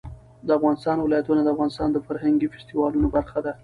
د افغانستان ولايتونه د افغانستان د فرهنګي فستیوالونو برخه ده.